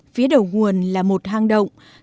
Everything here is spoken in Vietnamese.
phía đầu nguồn là một hang động